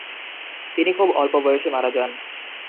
তিনি খুব অল্প বয়সে মারা যান।